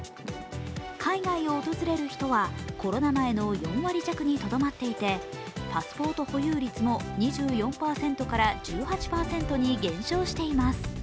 海外を訪れる人はコロナ前の４割弱にとどまっていてパスポート保有率も２４％から１８％に減少しています。